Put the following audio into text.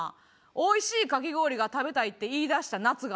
「美味しいかき氷が食べたい」って言い出した夏があったんや。